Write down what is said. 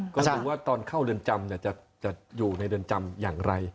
ก็ดูว่าตอนเข้าเรือนจำจะอยู่ในเรือนจำอย่างไร